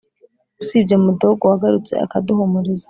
usibye mudogo wagarutse akaduhumuriza